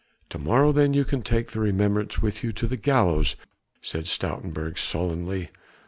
"To morrow then you can take the remembrance with you to the gallows," said Stoutenburg sullenly.